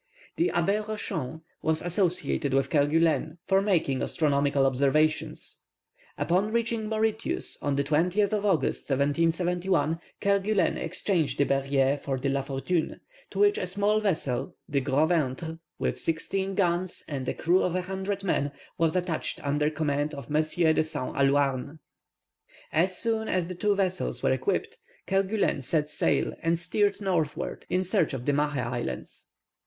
The Abbé Rochon was associated with Kerguelen, for making astronomical observations. Upon reaching Mauritius, on the 20th of August, 1771, Kerguelen exchanged the Berryer for the La Fortune, to which a small vessel, the Gros ventre, with sixteen guns and a crew of a hundred men, was attached under command of M. de Saint Allouarn. As soon as the two vessels were equipped, Kerguelen set sail and steered northward in search of the Mahé Islands.